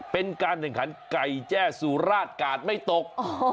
เป็นการแข่งขันไก่แจ้สุราชกาดไม่ตก